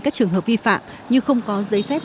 các trường hợp vi phạm như không có giấy phép